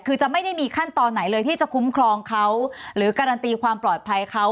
คือจะไม่ได้มีขั้นตอนไหนเลยที่จะคุ้มครองเขาหรือการันตีความปลอดภัยเขา